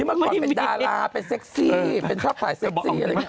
เมื่อก่อนเป็นดาราเป็นเซ็กซี่เป็นภาพถ่ายเซ็กซี่อะไรอย่างนี้